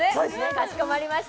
かしこまりました。